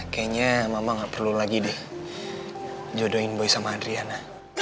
kayaknya mama gak perlu lagi deh jodohin boy sama adriana